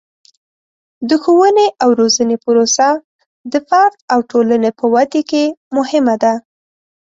د ښوونې او روزنې پروسه د فرد او ټولنې په ودې کې مهمه ده.